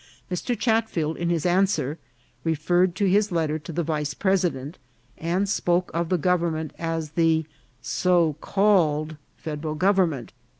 Mr. Chatfield, in his answer, referred to his letter to the vice president, and spoke of the gov ernment as the " so called Federal Government."